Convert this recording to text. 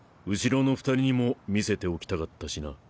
後ろの２人にも見せておきたかったしな。